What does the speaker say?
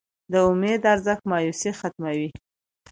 د امید ارزښت مایوسي ختموي.